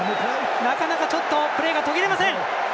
なかなかプレーが途切れません。